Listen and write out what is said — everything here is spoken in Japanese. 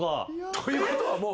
ということはもう。